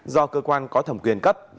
do cơ quan có thẩm quyền cấp